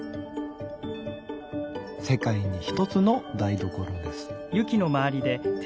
世界にひとつの台所です。